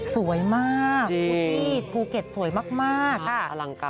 สวยมากภูเก็ตสวยมากค่ะอลังการจริง